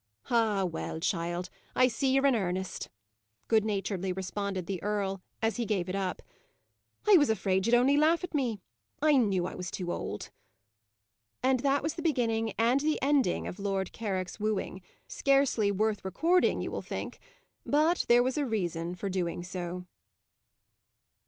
"Ah! well, child, I see ye're in earnest," good naturedly responded the earl, as he gave it up. "I was afraid ye'd only laugh at me. I knew I was too old." And that was the beginning and the ending of Lord Carrick's wooing. Scarcely worth recording, you will think. But there was a reason for doing so.